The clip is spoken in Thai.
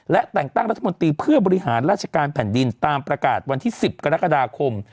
และแต่งตั้งรัฐมนตรีเพื่อบริหารราชการแผ่นดินตามประกาศวันที่๑๐กรกฎาคม